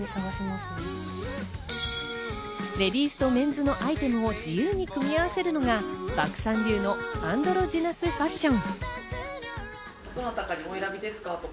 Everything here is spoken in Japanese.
レディースとメンズのアイテムを自由に組み合わせるのが漠さん流のアンドロジナスファッション。